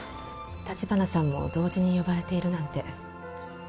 橘さんも同時に呼ばれているなんて。